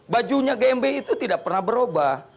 bajunya gmbi itu tidak pernah berubah